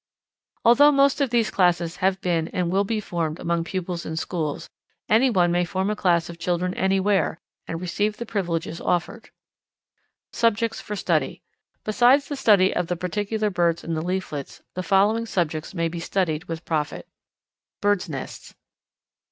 Although most of these classes have been and will be formed among pupils in schools, any one may form a class of children anywhere, and receive the privileges offered. Subjects for Study. Besides the study of the particular birds in the leaflets, the following subjects may be studied with profit: _Birds' Nests.